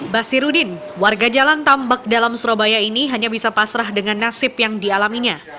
basirudin warga jalan tambak dalam surabaya ini hanya bisa pasrah dengan nasib yang dialaminya